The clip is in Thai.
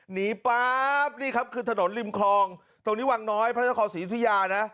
ป๊าบนี่ครับคือถนนริมคลองตรงนี้วังน้อยพระนครศรีอุทยานะ